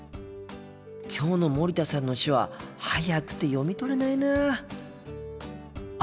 きょうの森田さんの手話速くて読み取れないなあ。